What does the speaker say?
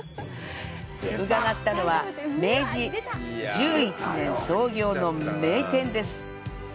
伺ったのは、明治１１年創業の名店です。